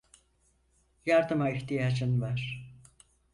Yardıma ihtiyacın var.